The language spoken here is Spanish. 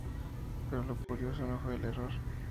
Pero lo curioso no fué el error